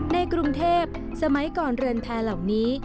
ในกรุงเทพสมัยก่อนเรือนแพร่เหล่านี้